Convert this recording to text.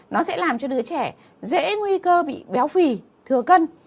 nó sẽ làm cho đứa trẻ dễ nguy cơ bị béo phì thừa cân